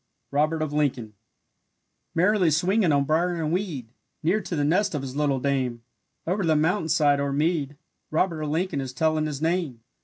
ROBERT OF LINCOLN Merrily swinging on brier and weed, Near to the nest of his little dame, Over the mountainside or mead, Robert of Lincoln is telling his name.